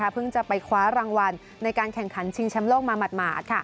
เพิ่งจะไปคว้ารางวัลในการแข่งขันชิงแชมป์โลกมาหมาด